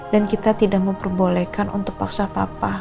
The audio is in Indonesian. dan kita tidak memperbolehkan untuk paksa papa